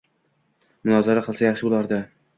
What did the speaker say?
Munozara qilsa yaxshi bo‘lardi.